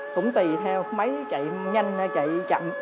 cũng tùy theo máy chạy nhanh hay chạy chậm